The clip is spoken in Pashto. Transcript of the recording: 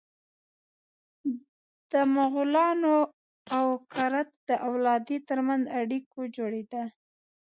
د مغولانو او کرت د اولادې تر منځ اړیکو جوړېدل.